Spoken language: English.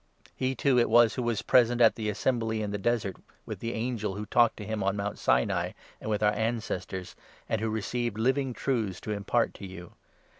e, too, it was who was present at the assembly in the Desert, 38 with the angel who talked to him on Mount Sinai, and with our ancestors, and who received living truths to impart to you.